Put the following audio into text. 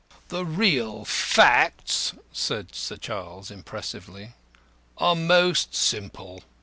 "The real facts," said Sir Charles, impressively, "are most simple.